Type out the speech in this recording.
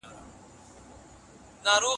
د خپلوانو بېځايه ملاتړ يې نه کاوه.